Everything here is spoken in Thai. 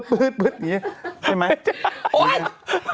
ปึ๊ดอย่างนี้ใช่ไหม